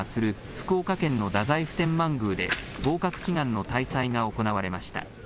福岡県の太宰府天満宮で合格祈願の大祭が行われました。